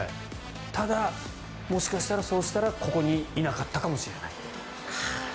ただ、もしかしたらそうしたらここにいなかったかもしれない。